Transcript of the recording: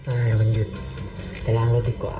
อ่ามันหยุดไปล้างรถดีกว่า